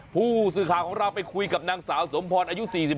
ผู้ศึกาของเราไปคุยกับนางสาวสมพรอายุ๔๕